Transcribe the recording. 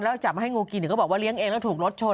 แล้วจับมาให้งูกินอีกก็บอกว่าเลี้ยงเองแล้วถูกรถชน